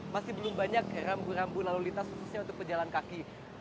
masih belum banyak rambu rambu lalu lintas khususnya untuk pejalan kaki